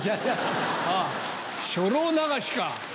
あっ初老流しか！